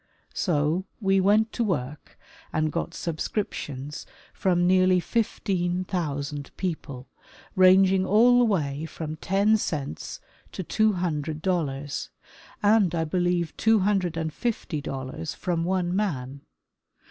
So we went to work and got subscriptions from nearly 15,000 people, rang ing all the way from ten cents to two hundred dollars, and I believe two hundred and fifty dollars from one man.